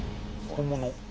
本物！